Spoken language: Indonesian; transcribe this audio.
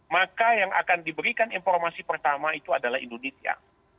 maka yang akan diberikan informasi pertama itu adalah indonesia